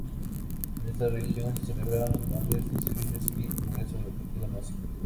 En esta región se celebraron los grandes desfiles y congresos del partido nazi.